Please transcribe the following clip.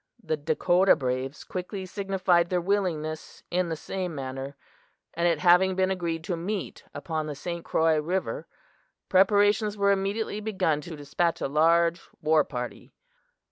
The Dakota braves quickly signified their willingness in the same manner, and it having been agreed to meet upon the St. Croix river, preparations were immediately begun to despatch a large war party.